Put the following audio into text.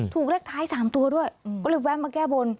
ถูกเลขท้าย๓ตัวด้วยก็เลยแวะมาแก้บน